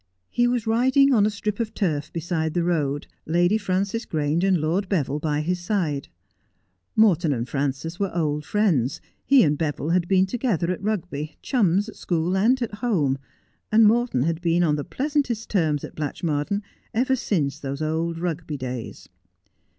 He was riding on a strip of turf beside the road, Lady Frances Grange and Lord Beville by his side. Morton and Frances were old friends. He and Beville had been together at Rugby, chums at school and at home, and Morton had been on the pleasantest terms at Blatchmardean ever since those old Rugby days.